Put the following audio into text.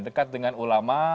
dekat dengan ulama